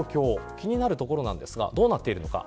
気になるところですがどうなっているのか。